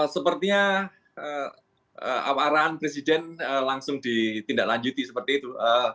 sepertinya arahan presiden langsung ditindak lanjuti seperti itu